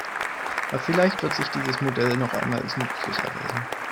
Aber vielleicht wird sich dieses Modell noch einmal als nützlich erweisen.